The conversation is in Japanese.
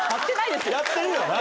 やってるよな？